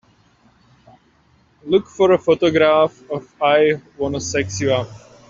Look for a photograph of I Wanna Sex You Up